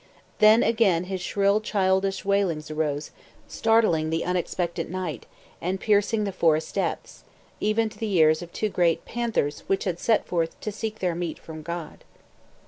Then again his shrill childish wailings arose, startling the unexpectant night, and piercing the forest depths, even to the ears of two great panthers which had set forth to seek their meat from God.